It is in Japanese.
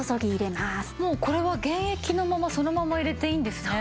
もうこれは原液のままそのまま入れていいんですね。